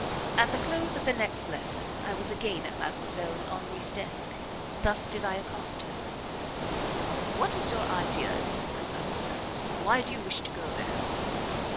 At the close of the next lesson I was again at Mdlle. Henri's desk. Thus did I accost her: "What is your idea of England, mademoiselle? Why do you wish to go there?"